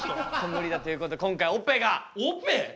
無理だということで今回オペが。